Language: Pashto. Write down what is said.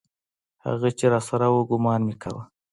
هغه چې راسره و ګومان مې کاوه.